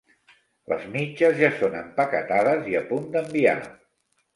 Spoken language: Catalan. Les mitges ja són empaquetades i a punt d'enviar.